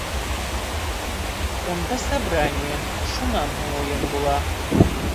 Унда собрание, шунан һуң уйын була.